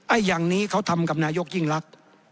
อย่างนี้เขาทำกับนายกยิ่งรัก